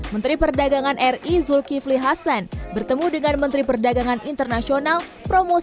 menteri perdagangan ri zulkifli hasan bertemu dengan menteri perdagangan internasional promosi